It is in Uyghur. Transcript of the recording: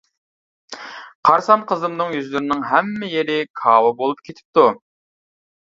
قارىسام قىزىمنىڭ يۈزلىرىنىڭ ھەممە يېرى كاۋا بولۇپ كېتىپتۇ.